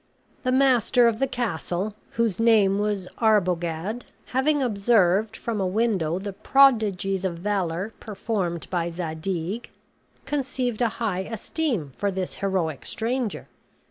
The master of the castle, whose name was Arbogad, having observed from a window the prodigies of valor performed by Zadig, conceived a high esteem for this heroic stranger.